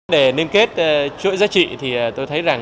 để liên kết chuỗi giá trị tôi thấy ý thức